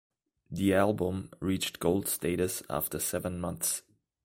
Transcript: The album reached Gold status after seven months.